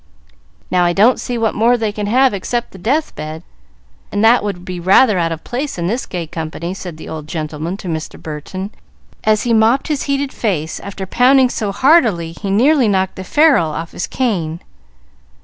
"Now I don't see what more they can have except the death bed, and that would be rather out of place in this gay company," said the old gentleman to Mr. Burton, as he mopped his heated face after pounding so heartily he nearly knocked the ferule off his cane.